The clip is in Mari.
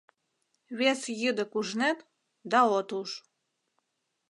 Вес йӱдык ужнет — да от уж.